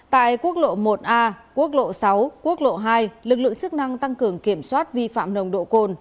tại quốc lộ một a quốc lộ sáu quốc lộ hai lực lượng chức năng tăng cường kiểm soát vi phạm nồng độ cồn